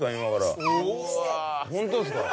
ホントっすか！？